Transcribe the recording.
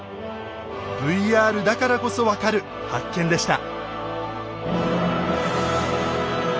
ＶＲだからこそ分かる発見でした。